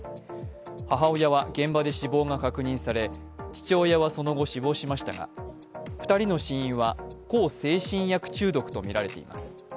母親は現場で死亡が確認され父親はその後、死亡しましたが、２人の死因は向精神薬中毒とみられています。